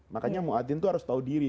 makanya mu'adhin itu harus tahu diri